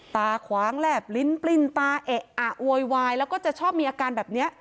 ตาขวางแหลบลิ้นปลิ้นตาเอะอะโวยวายแล้วก็จะชอบมีอาการแบบนี้